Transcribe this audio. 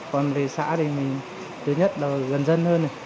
còn về xã thì thứ nhất là gần dân hơn